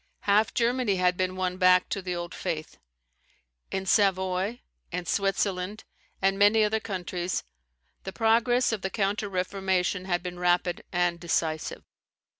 Half Germany had been won back to the old faith. In Savoy, in Switzerland and many other countries, the progress of the counter Reformation had been rapid and decisive.